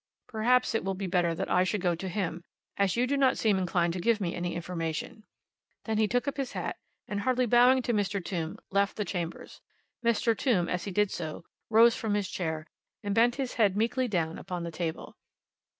"Perhaps it will be better that I should go to him, as you do not seem inclined to give me any information." Then he took up his hat, and hardly bowing to Mr. Tombe, left the chambers. Mr. Tombe, as he did so, rose from his chair, and bent his head meekly down upon the table.